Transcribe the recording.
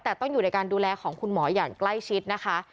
แต่ต้องอยู่ในการดูแลของคุณหมออย่างใกล้ชิดนะคะ